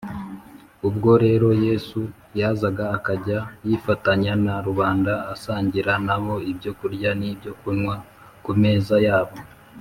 ubwo rero yesu yazaga akajya yifatanya na rubanda asangira na bo ibyo kurya n’ibyo kunywa ku meza yabo,